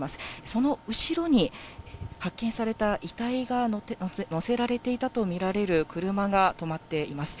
その後ろに、発見された遺体が乗せられていたと見られる車が止まっています。